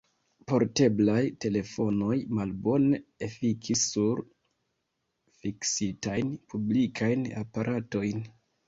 Porteblaj telefonoj malbone efikis sur fiksitajn, publikajn aparatojn.